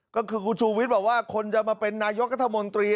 ก็คือคุณชูวิทย์บอกว่าคนจะมาเป็นนายกรัฐมนตรี